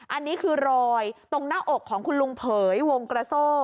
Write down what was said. อันนี้คือรอยตรงหน้าอกของคุณลุงเผยวงกระโซ่